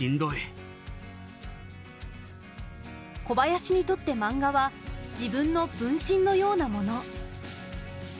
小林にとってマンガは自分の分身のようなもの。